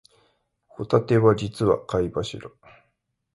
ホタテは実は貝柱